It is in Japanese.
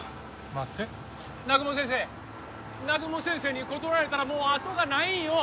待って南雲先生南雲先生に断られたらもう後がないんよ